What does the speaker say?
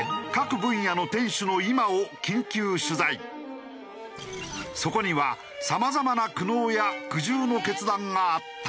そこでそこには様々な苦悩や苦渋の決断があった。